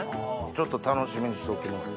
ちょっと楽しみにしておきます。